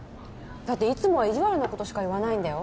だっていつもは意地悪なことしか言わないんだよ